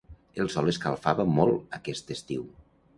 El sol escalfava molt aquest estiu.